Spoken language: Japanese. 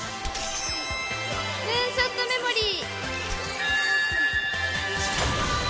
ムーンショットメモリー。